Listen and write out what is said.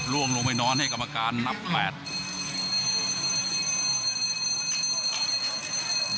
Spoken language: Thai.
ล่วงต้องลงไม่นอนให้กรรมการรุ่มหลังนะครับ